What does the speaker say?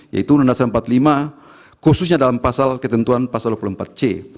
yaitu nundasan empat puluh lima khususnya dalam pasal ketentuan pasal enam puluh empat c